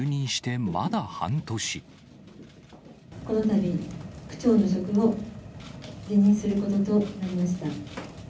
このたび、区長の職を辞任することとなりました。